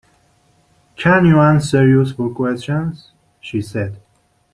‘Can you answer useful questions?’ she said.